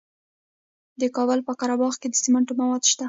د کابل په قره باغ کې د سمنټو مواد شته.